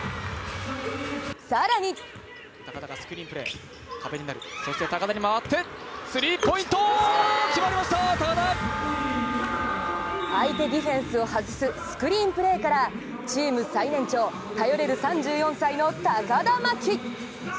更に相手ディフェンスを外すスクリーンプレーからチーム最年長、頼れる３４歳の高田真希。